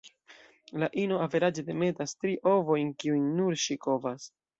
La ino averaĝe demetas tri ovojn, kiujn nur ŝi kovas.